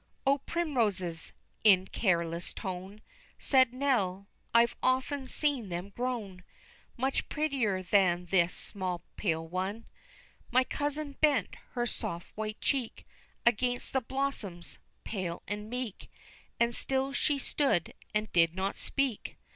"O, primroses!" in careless tone, Said Nell, "I've often seen them grown Much prettier than this small pale one." My cousin bent her soft white cheek Against the blossoms, pale and meek, And still she stood and did not speak.